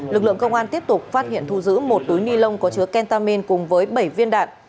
lực lượng công an tiếp tục phát hiện thu giữ một túi ni lông có chứa kentamin cùng với bảy viên đạn